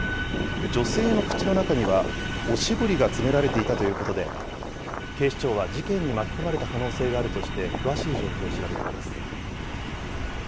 女性の口の中にはおしぼりが詰められていたということで、警視庁は事件に巻き込まれた可能性があるとして、詳しい状況を調べています。